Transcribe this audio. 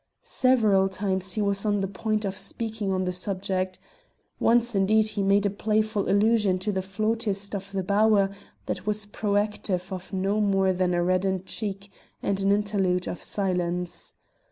Several times he was on the point of speaking on the subject. Once, indeed, he made a playful allusion to the flautist of the bower that was provocative of no more than a reddened cheek and an interlude of silence.